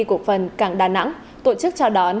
cổ phần cảng đà nẵng tổ chức chào đón